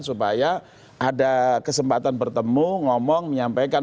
supaya ada kesempatan bertemu ngomong menyampaikan